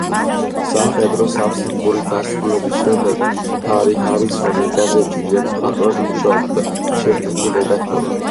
სამხედრო სამსახურის დასრულების შემდეგ ჰარი ჰარისონი გაზეთში ჯერ მხატვრად მუშაობდა, შემდეგ კი რედაქტორად.